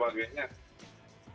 pak lurahnya dan sebagainya